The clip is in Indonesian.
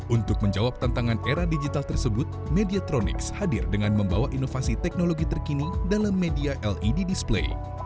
untuk menjawab tantangan era digital tersebut mediatronics hadir dengan membawa inovasi teknologi terkini dalam media led display